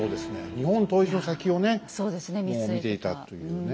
日本統一の先をね見ていたというね。